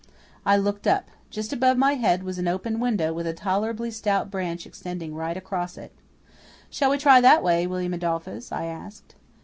I looked up. Just above my head was an open window with a tolerably stout branch extending right across it. "Shall we try that way, William Adolphus?" I asked.